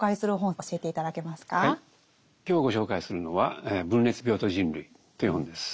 今日ご紹介するのは「分裂病と人類」という本です。